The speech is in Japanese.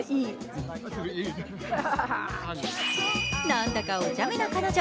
なんだかおちゃめな彼女。